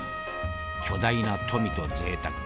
巨大な富とぜいたく。